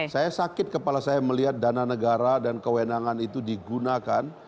saya sakit kepala saya melihat dana negara dan kewenangan itu digunakan